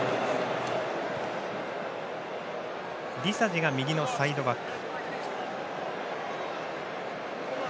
ディザジが右のサイドバック。